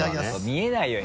見えないよ！